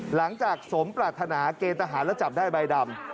หลังจากสมปรารถนาเกณฑ์ทหารแล้วจับได้ใบดำ